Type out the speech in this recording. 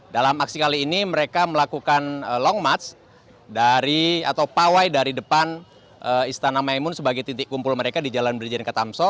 dalam aksi kali ini mereka melakukan long march atau pawai dari depan istana maimun sebagai titik kumpul mereka di jalan brijan ke tamso